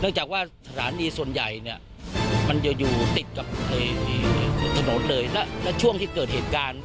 เนื่องจากว่าสถานีส่วนใหญ่มันจะอยู่ติดกับถนนเลยและช่วงที่เกิดเหตุการณ์